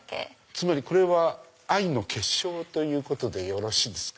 つまりこれは愛の結晶ということでよろしいですか？